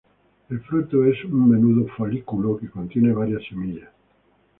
El fruto es un menudo folículo que contiene varias semillas.